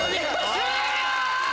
終了！